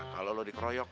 kalo lo dikeroyok